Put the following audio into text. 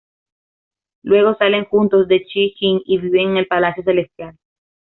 Luego salen juntos de Shi Jing y viven en el palacio celestial.